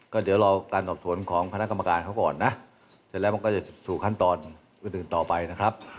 ก็เดี๋ยวรอการสอบสวนของคณะกรรมการเขาก่อนนะเสร็จแล้วมันก็จะสู่ขั้นตอนอื่นต่อไปนะครับ